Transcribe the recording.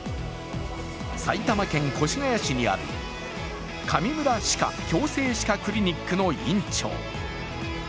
埼玉県越谷市にあるかみむら歯科・矯正歯科クリニックの院長。